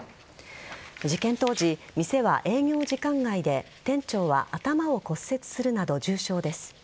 事件当時、店は営業時間外で店長は頭を骨折するなど重傷です。